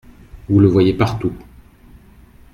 Vous le voyez partout…